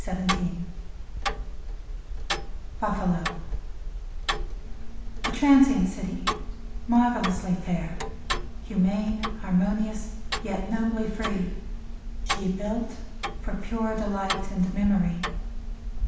173 BUFFALO A TRANSIENT city, marvclously fair, — Humane, harmonious, yet nobly free, — She built for pure delight and memory.